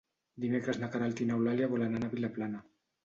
Dimecres na Queralt i n'Eulàlia volen anar a Vilaplana.